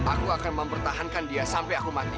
aku akan mempertahankan dia sampai aku mati